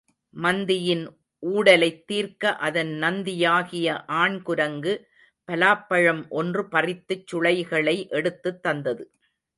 மந்தியின் ஊடலைத் தீர்க்க அதன் நந்தியாகிய ஆண் குரங்கு பலாப்பழம் ஒன்று பறித்துச் சுளைகளை எடுத்துத் தந்தது.